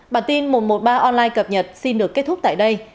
bản tin một trăm một mươi ba online cập nhật xin được kết thúc tại đây